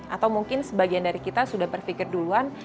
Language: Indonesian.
atau mungkin sebagian dari kita sudah berpikir duluan